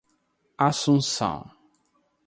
assunção